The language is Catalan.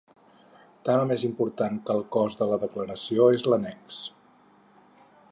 Tant o més important que el cos de la declaració és l’annex.